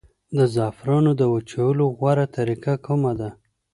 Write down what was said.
د زعفرانو د وچولو غوره طریقه کومه ده؟